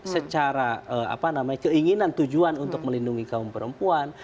secara apa namanya keinginan tujuan untuk melindungi kaum perempuan